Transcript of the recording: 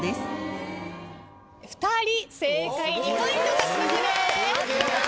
２人正解２ポイント獲得です。